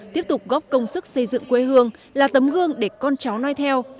tiếp tục góp công sức xây dựng quê hương là tấm gương để con cháu nói theo